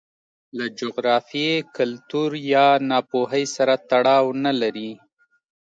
له جغرافیې، کلتور یا ناپوهۍ سره تړاو نه لري.